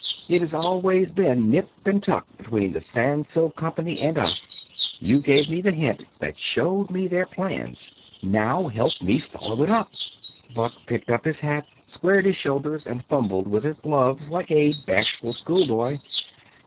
It has always been nip and tuck between the Sans Silk Company and us. You gave me the hint that showed me their plans. Now help me follow it up." Buck picked up his hat, squared his shoulders and fumbled with his gloves like a bashful schoolboy.